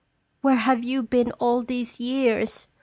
"Where have you been all these years?"